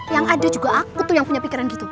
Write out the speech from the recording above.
yang ada juga aku tuh yang punya pikiran gitu